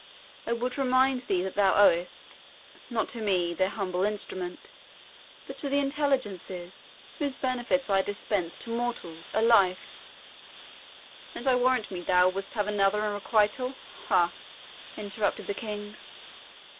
I would remind thee that thou owest not to me, their humble instrument but to the Intelligences, whose benefits I dispense to mortals, a life " "And I warrant me thou wouldst have another in requital, ha?" interrupted the King.